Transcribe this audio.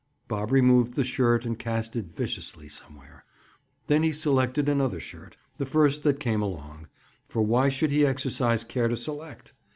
Bob removed the shirt and cast it viciously somewhere. Then he selected another shirt—the first that came along, for why should he exercise care to select?